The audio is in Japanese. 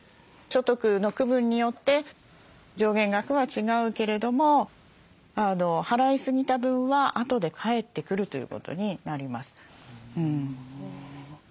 所得の区分によって上限額は違うけれども払いすぎた分はあとで返ってくるということになります。